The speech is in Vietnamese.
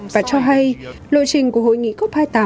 và cho hay lộ trình của hội nghị cop hai mươi tám